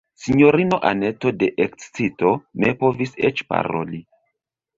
Sinjorino Anneto de ekscito ne povis eĉ paroli.